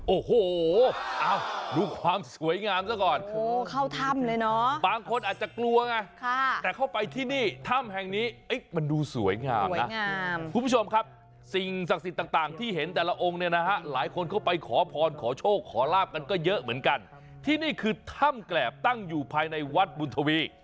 โอ้โหดูความสวยงามซะก่อนโอ้โหเข้าถ้ำเลยเนอะบางคนอาจจะกลัวไงแต่เข้าไปที่นี่ถ้ำแห่งนี้มันดูสวยงามคุณผู้ชมครับสิ่งศักดิ์สิทธิ์ต่างที่เห็นแต่ละองค์เนี่ยนะฮะหลายคนเข้าไปขอพรขอโชคขอลาบกันก็เยอะเหมือนกันที่นี่คือถ้ำแกรบตั้งอยู่ภายในวัดบุญทวี